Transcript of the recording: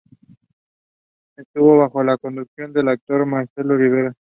Estuvo bajo la conducción del actor Marcello Rivera.